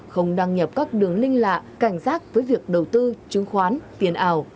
không đăng nhập các đường linh lạ cảnh giác với việc đầu tư chứng khoán tiền ảo